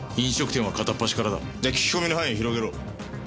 じゃあ聞き込みの範囲を広げろ。